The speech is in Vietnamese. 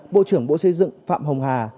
bộ trưởng bộ xây dựng phạm hồng hà